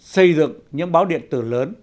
xây dựng những báo điện tử lớn